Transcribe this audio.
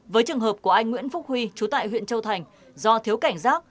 với trường hợp của anh nguyễn phúc huy chú tại huyện châu thành do thiếu cảnh giác